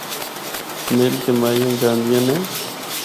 مل کے ماہیے گاندیاں نے۔